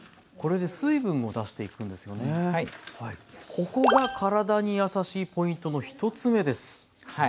ここが体にやさしいポイントの１つ目です。